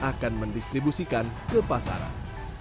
akan mendistribusikan ke pasaran